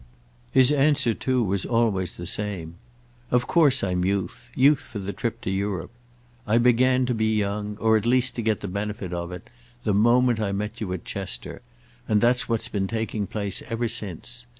His answer too was always the same. "Of course I'm youth—youth for the trip to Europe. I began to be young, or at least to get the benefit of it, the moment I met you at Chester, and that's what has been taking place ever since.